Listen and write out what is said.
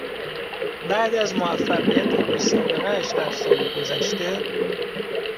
بعد از موفقیت بی سابقه اش در سال گذشته